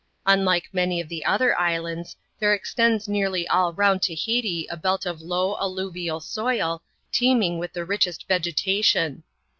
Unlike many of the other islands, there extends nearly all round Tahiti a belt of low, alluvial soil, teeming with the richest vegetation.